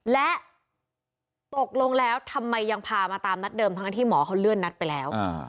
และตกลงแล้วทำไมยังพามาตามนัดเดิมทั้งที่หมอเขาเลื่อนนัดไปแล้ว